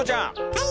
はい！